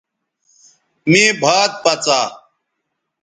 مے بھات پڅا